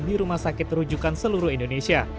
di rumah sakit terujukan seluruh indonesia